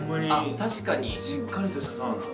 確かにしっかりとしたサウナだ。